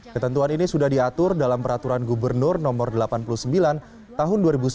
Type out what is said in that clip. ketentuan ini sudah diatur dalam peraturan gubernur no delapan puluh sembilan tahun dua ribu sembilan belas